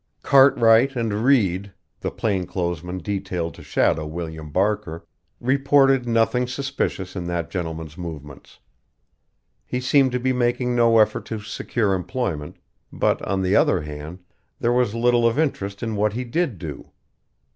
Cartwright and Reed, the plain clothes men detailed to shadow William Barker, reported nothing suspicious in that gentleman's movements. He seemed to be making no effort to secure employment, but, on the other hand, there was little of interest in what he did do.